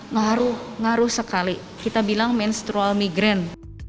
ngaruh ngaruh sekali kita bilang menstrual migran